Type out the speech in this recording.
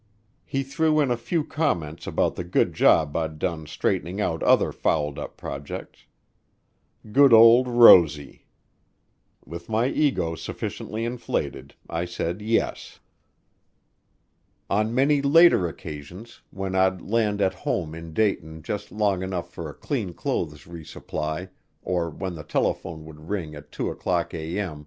He threw in a few comments about the good job I'd done straightening out other fouled up projects. Good old "Rosy." With my ego sufficiently inflated, I said yes. On many later occasions, when I'd land at home in Dayton just long enough for a clean clothes resupply, or when the telephone would ring at 2:00A.M.